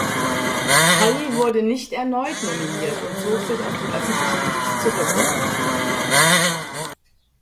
Holley wurde nicht erneut nominiert und zog sich aus dem öffentlichen Dienst zurück.